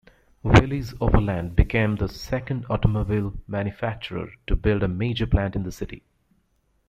Willys-Overland became the second automobile manufacturer to build a major plant in the city.